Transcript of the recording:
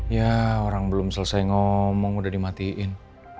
ya orang belum selesai ngomong udah dimatiin